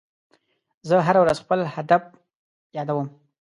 زه هره ورځ خپل هدف یادوم.